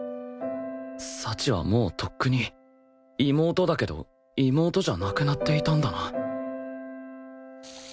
幸はもうとっくに妹だけど妹じゃなくなっていたんだな